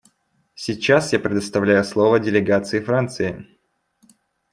Сейчас я предоставляю слово делегации Франции.